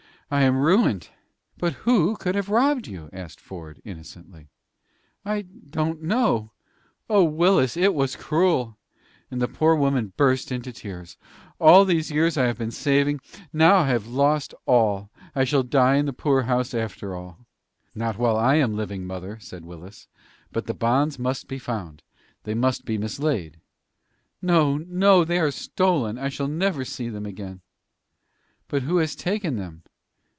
"I am ruined." "But who could have robbed you?" asked Ford, innocently. "I don't know. Oh, Willis! it was cruel!" and the poor woman burst into tears. "All these years I have been saving, and now I have lost all. I shall die in the poorhouse after all." "Not while I am living, mother," said Willis. "But the bonds must be found. They must be mislaid." "No, no! they are stolen. I shall never see them again." "But who has taken them?